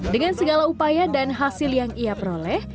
dengan segala upaya dan hasil yang ia peroleh